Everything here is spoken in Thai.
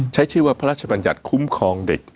ใช้ชื่อว่าพระราชบัญญัติคุ้มครองเด็ก